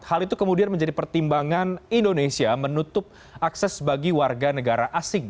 hal itu kemudian menjadi pertimbangan indonesia menutup akses bagi warga negara asing